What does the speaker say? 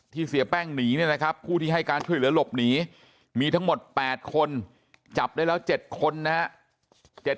เสียแป้งหนีเนี่ยนะครับผู้ที่ให้การช่วยเหลือหลบหนีมีทั้งหมด๘คนจับได้แล้ว๗คนนะครับ